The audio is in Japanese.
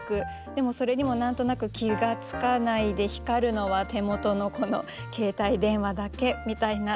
でもそれにも何となく気が付かないで光るのは手元のこの携帯電話だけみたいな。